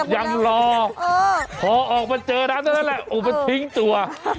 อย่างรอพอออกมาเจอนั้นเลยแหละโอ้มันทิ้งตัว